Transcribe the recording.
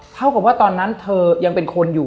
เท่ากับว่าตอนนั้นเธอยังเป็นคนอยู่